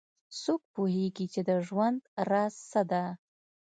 څوک پوهیږي چې د ژوند راز څه ده